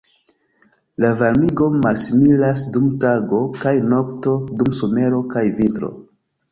La varmigo malsimilas dum tago kaj nokto, dum somero kaj vintro.